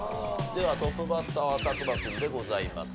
ではトップバッター佐久間君でございます。